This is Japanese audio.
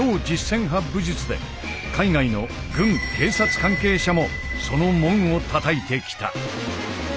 武術で海外の軍警察関係者もその門をたたいてきた。